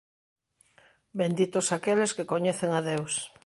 Benditos aqueles que coñecen a Deus.